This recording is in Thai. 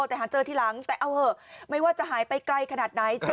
แต่หาเจอทีหลังแต่เอาเหอะไม่ว่าจะหายไปไกลขนาดไหน